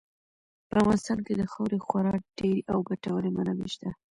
په افغانستان کې د خاورې خورا ډېرې او ګټورې منابع شته.